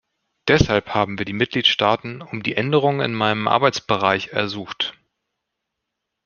Deshalb haben wir die Mitgliedstaaten um die Änderungen in meinem Arbeitsbereich ersucht.